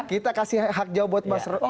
kita kasih hak jawab buat mas roy